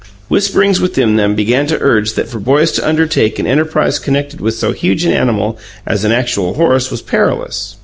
Whisperings within them began to urge that for boys to undertake an enterprise connected with so huge an animal as an actual horse was perilous.